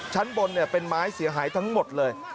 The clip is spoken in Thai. ชั้นบนเป็นไม้เสียหายทั้งหมดเลย